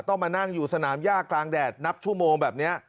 ต้องมานั่งอยู่สนามย่ากลางแดดนับชั่วโมงแบบนี้